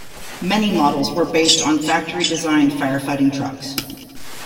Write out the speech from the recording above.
Many models were based on factory designed firefighting trucks.